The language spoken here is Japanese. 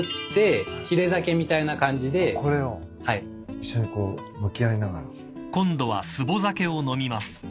一緒にこう向き合いながら。